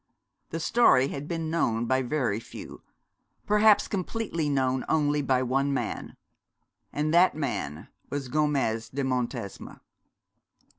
The story had been known by very few perhaps completely known only by one man; and that man was Gomez de Montesma.